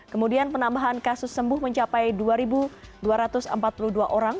kemudian penambahan kasus sembuh mencapai dua dua ratus empat puluh dua orang